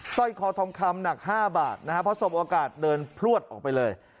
ร้อยคอทองคำหนัก๕บาทนะครับเพราะสมโอกาสเดินพลวดออกไปเลย